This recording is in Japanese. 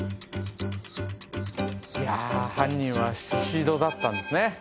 いやぁ犯人は宍戸だったんですね。